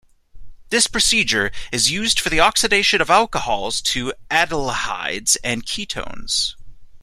This procedure is used for the oxidation of alcohols to aldehydes and ketones.